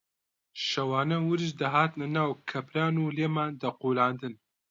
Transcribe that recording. شەوانە ورچ دەهاتنە ناو کەپران و لێمان دەقوولاندن